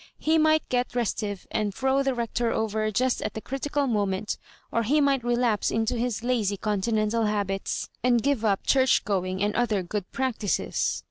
He might get restive, and throw the Hector over just at the critical moment; or he might relapse mto his lazy Continental habits, and give up church going and other good practices.'